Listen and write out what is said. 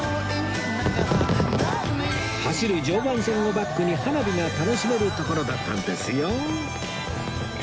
走る常磐線をバックに花火が楽しめる所だったんですよ